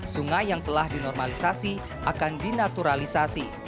sungai yang telah dinormalisasi akan dinaturalisasi